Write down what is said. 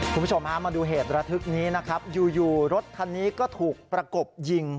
คุณผู้ชมฮะมาดูเหตุระทึกนี้นะครับอยู่รถคันนี้ก็ถูกประกบยิง